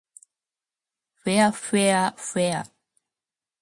ふぇあふぇわふぇわ